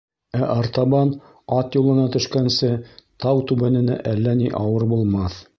Ә артабан, ат юлына төшкәнсе, тау түбәненә әллә ни ауыр булмаҫ.